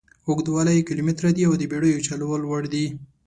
اوږدوالی یې کیلومتره دي او د بېړیو چلولو وړ دي.